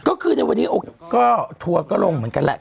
ก็คือในวันนี้ก็ทัวร์ก็ลงเหมือนกันแหละ